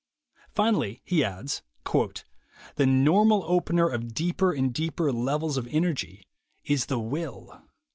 Finally he adds: "The normal opener of deeper and deeper levels of energy is the will.